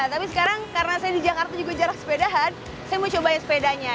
tapi sekarang karena saya di jakarta juga jarak sepedahan saya mau cobain sepedanya